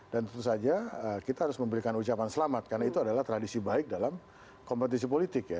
dan tentu saja kita harus memberikan ucapan selamat karena itu adalah tradisi baik dalam kompetisi politik ya